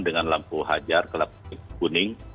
dengan lampu hajar kelapa kuning